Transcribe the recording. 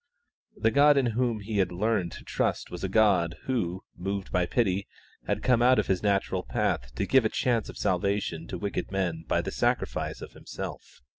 The God in whom he had learned to trust was a God who, moved by pity, had come out of His natural path to give a chance of salvation to wicked men by the sacrifice of Himself.